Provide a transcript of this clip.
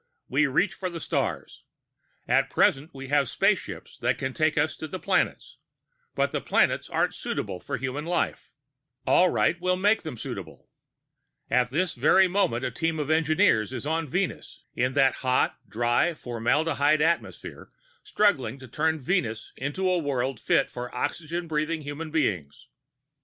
We reach for the stars. At present we have spaceships that can take us to the planets, but the planets aren't suitable for human life. All right, we'll make them suitable! At this very moment a team of engineers is on Venus, in that hot, dry, formaldehyde atmosphere, struggling to turn Venus into a world fit for oxygen breathing human beings.